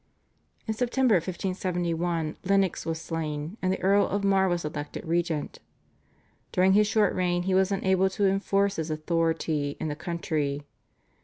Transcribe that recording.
In September 1571 Lennox was slain, and the Earl of Mar was elected regent. During his short reign he was unable to enforce his authority in the country.